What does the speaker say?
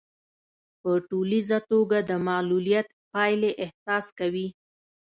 په ټولیزه توګه د معلوليت پايلې احساس کوي.